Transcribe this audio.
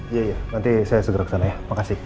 iya iya nanti saya segera kesana ya makasih